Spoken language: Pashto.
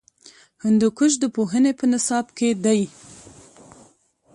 هندوکش د پوهنې په نصاب کې دی.